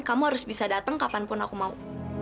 kamu harus bisa datang kapanpun aku mau